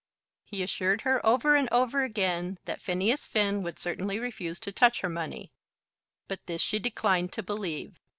He assured her over and over again that Phineas Finn would certainly refuse to touch her money; but this she declined to believe.